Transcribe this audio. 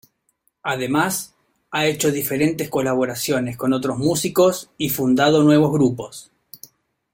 Además ha hecho diferentes colaboraciones con otros músicos y fundado nuevos grupos.